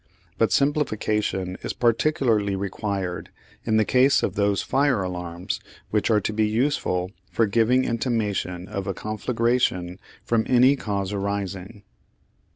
But simplification is particularly required in the case of those fire alarms which are to be useful for giving intimation of a conflagration from any cause arising.